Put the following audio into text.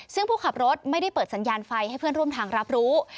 ซึ่งผู้ขับรถไม่ได้เปิดสัญญาณไฟให้เพื่อนร่วมทางรับรู้